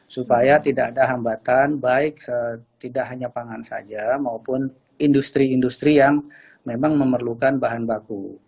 supaya tidak ada hambatan baik tidak hanya pangan saja maupun industri industri yang memang memerlukan bahan baku